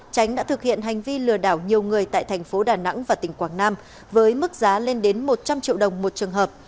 tránh đã thực hiện hành vi lừa đảo nhiều người tại thành phố đà nẵng và tỉnh quảng nam với mức giá lên đến một trăm linh triệu đồng một trường hợp